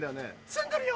住んでるよ。